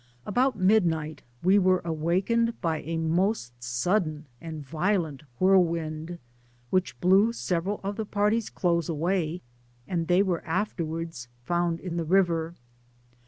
About midnight we were awakened by a most sudden and violent whirlwind, whidi blew several of the party's clothes away, and they were afterwards found in the river.